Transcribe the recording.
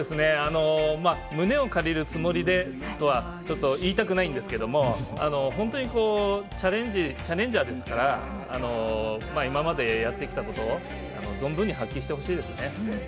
胸を借りるつもりでとは言いたくないんですが、本当にチャレンジャーですから、今までやってきたことを存分に発揮してほしいですね。